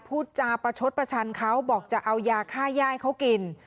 พูดจาประชดประชันเขาบอกจะเอายาค่าย่ายเขากิน